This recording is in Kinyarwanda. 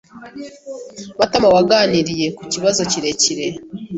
Matamawaganiriye ku kibazo kirekire.